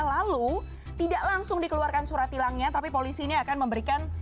lalu tidak langsung dikeluarkan surat hilangnya tapi polisi ini akan memberikan